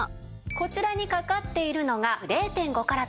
こちらにかかっているのが０．５カラット。